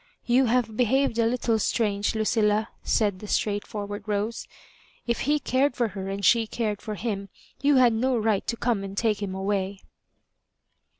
You have behaved a little strange, Lucilla," said the straightforward Rose. " If he cared for her, and she cared for him, you had no right to come and take him away."